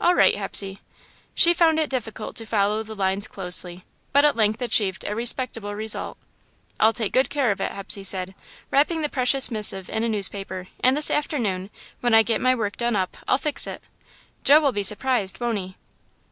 "All right, Hepsey." She found it difficult to follow the lines closely, but at length achieved a respectable result. "I'll take good care of it," Hepsey said, wrapping the precious missive in a newspaper, "and this afternoon, when I get my work done up, I'll fix it. Joe'll be surprised, won't he?"